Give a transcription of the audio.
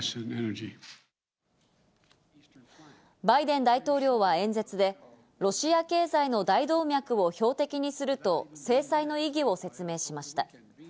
バイデン大統領は演説で、ロシア経済の大動脈を標的にすると制裁の意義を説明しました。